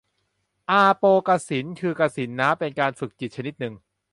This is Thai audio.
อาโปกสิณ คือกสิณน้ำ เป็นการฝึกจิตชนิดหนึ่ง